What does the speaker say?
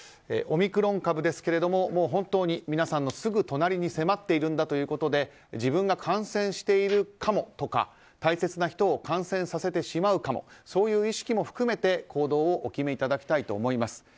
オミクロン株ですけれども本当に皆さんのすぐ隣に迫っているんだということで自分が感染しているかもとか大切な人を感染させてしまうかもそういう意識も含めて行動をお決めいただきたいと思います。